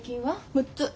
６つ。